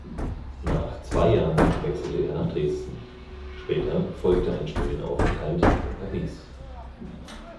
Nach zwei Jahren wechselte er nach Dresden, später folgte ein Studienaufenthalt in Paris.